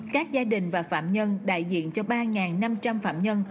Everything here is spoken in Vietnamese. các gia đình và phạm nhân đại diện cho ba năm trăm linh phạm nhân